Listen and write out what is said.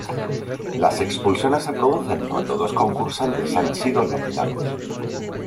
Las expulsiones se producen cuando dos concursantes han sido nominados.